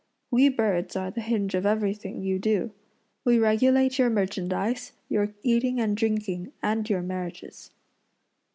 We birds are the hinge of everything you do. We regulate your merchandise, your eating and drinking, and your marriages."